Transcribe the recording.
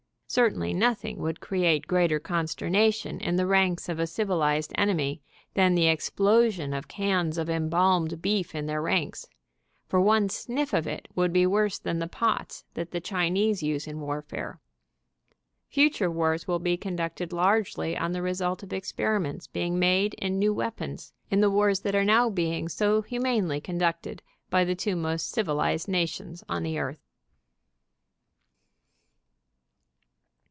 Certainly nothing would create greater consternation in the ranks of a civi lized enemy than the explosion of cans of embalmed beef in their ranks, for one sniff of it would be worse than the pots that the Chinese use in warfare. Future wars will be conducted largely on the result of ex periments being made in new weapons, in the wars that are now being so humanely conducted by the two most civilized nations on the earth.